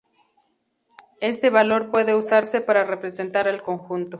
Este valor puede usarse para representar al conjunto.